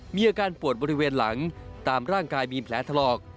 มีอาการปวดบริเวณหลังตามร่างกายมีแผลถลอก